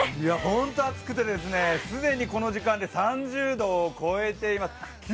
ホント暑くて既にこの時間で３０度を超えています。